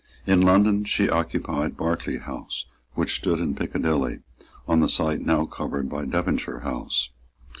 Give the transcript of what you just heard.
In London she occupied Berkeley House, which stood in Piccadilly, on the site now covered by Devonshire House.